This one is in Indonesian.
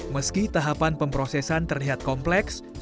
meski tahapan pemprosesan ini tidak berhasil